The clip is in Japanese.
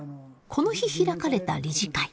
この日開かれた理事会。